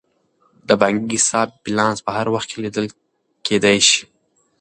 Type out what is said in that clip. د بانکي حساب بیلانس په هر وخت کې لیدل کیدی شي.